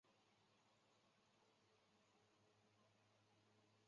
心脏内科医师是专门诊断心脏相关问题的内科医师。